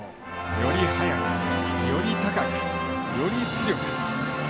「より速く、より高く、より強く」。